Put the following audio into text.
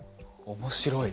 面白い。